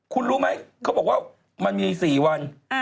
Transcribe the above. คุณรู้ไหมเขาบอกว่ามันมี๔วัน